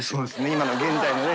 今の現代はね。